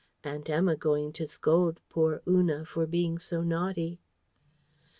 Aunt Emma going to scold poor Una for being so naughty!"